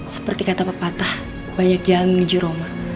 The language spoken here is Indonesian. seperti kata pepatah banyak jalan menuju roma